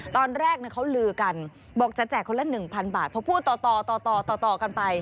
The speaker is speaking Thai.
ตอนแรกเขาลือกันบอกจะแจกคนละ๑๐๐บาทเพราะพูดต่อต่อกันไป